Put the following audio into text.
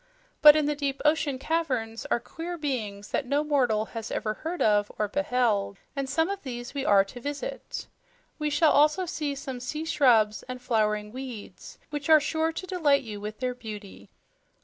But in the deep ocean caverns are queer beings that no mortal has ever heard of or beheld, and some of these we are to visit. We shall also see some sea shrubs and flowering weeds which are sure to delight you with their beauty."